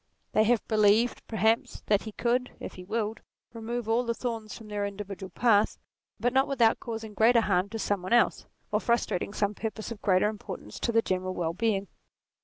They have believed, perhaps, that he could, if he willed, remove all the thorns from their individual path, but not without causing greater harm to some one else, or frustrating some purpose of greater importance to the general well being.